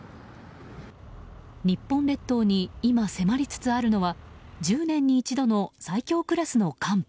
日本列島に今、迫りつつあるのは１０年に一度の最強クラスの寒波。